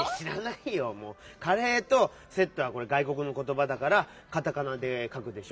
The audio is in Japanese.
「カレー」と「セット」はがいこくのことばだからカタカナでかくでしょ？